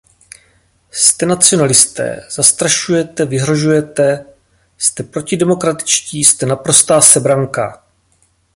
Jste nacionalisté; zastrašujete, vyhrožujete; jste protidemokratičtí, jste naprostá sebranka!